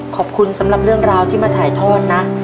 ขอบคุณสำหรับเรื่องราวที่มาถ่ายทอดนะ